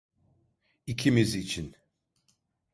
İkimiz için.